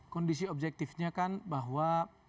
kondisi objektifnya kan bahwa